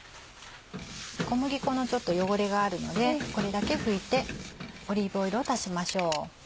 小麦粉のちょっと汚れがあるのでこれだけ拭いてオリーブオイルを足しましょう。